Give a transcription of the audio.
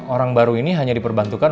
orang baru ini hanya diperbantukan